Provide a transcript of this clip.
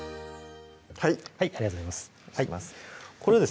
はいはいありがとうございます